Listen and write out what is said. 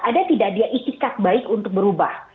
ada tidak dia itikat baik untuk berubah